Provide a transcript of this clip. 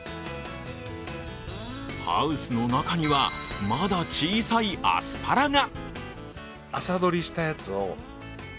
ハウスの中には、まだ小さいアスパラが。